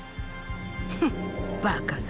フッバカが。